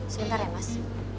sebentar ya mas